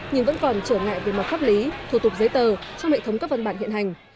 nhưng vẫn còn trở ngại về mặt pháp lý thủ tục giấy tờ trong hệ thống các văn bản hiện hành